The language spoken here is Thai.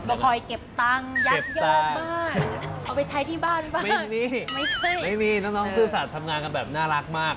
ก็คอยเก็บตังค์ยักยอกบ้านเอาไปใช้ที่บ้านบ้างไม่มีไม่ใช่ไม่มีน้องซื่อสัตว์ทำงานกันแบบน่ารักมาก